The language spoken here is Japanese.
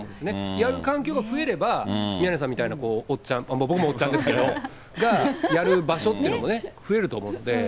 やる環境が増えれば、宮根さんみたいなおっちゃん、僕もおっちゃんですけど、やる場所っていうのもね、増えると思うんで。